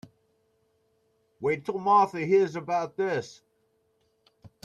Wait till Martha hears about this.